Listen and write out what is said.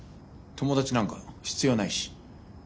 友達なんか必要ないし。